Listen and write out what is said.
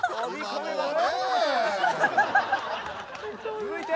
続いて。